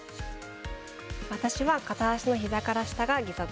私は片足のひざから下が義足。